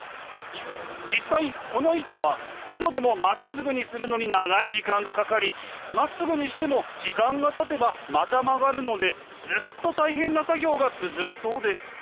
実際この板はプロでもまっすぐにするのに長い時間がかかりまっすぐにしても時間がたてばまた曲がるのでずっと大変な作業が続くそうです。